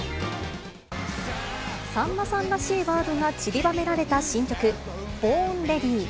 さんまさんらしいワードがちりばめられた新曲、ボーンレディー。